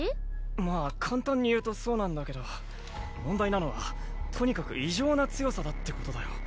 まあ簡単に言うとそうなんだけど問題なのはとにかく異常な強さだってことだよ。